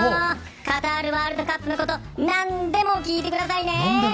カタールワールドカップのこと何でも聞いてくださいね。